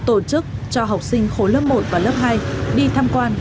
tổ chức cho học sinh khối lớp một và lớp hai đi tham quan